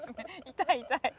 痛い痛い。